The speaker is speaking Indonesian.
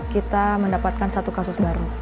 kita mendapatkan satu kasus baru